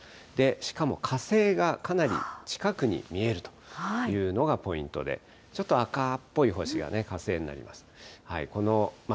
しかも火星がかなり近くに見えるというのがポイントで、ちょっと赤っぽい星がね、火星になります。